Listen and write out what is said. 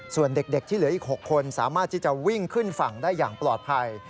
ส่วนเด็กที่เหลืออีก๖คนสามารถที่จะวิ่งขึ้นฝั่งได้อย่างปลอดภัย